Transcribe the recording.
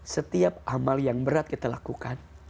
setiap amal yang berat kita lakukan